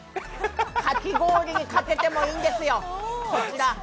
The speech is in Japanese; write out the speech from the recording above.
かき氷にかけてもいいんですよ。